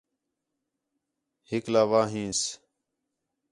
ہکلاواں ہینس